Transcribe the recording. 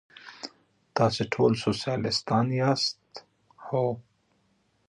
تاسې ټول سوسیالیستان یاست؟ هو.